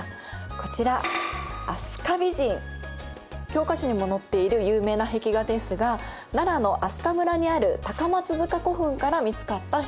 教科書にも載っている有名な壁画ですが奈良の明日香村にある高松塚古墳から見つかった壁画です。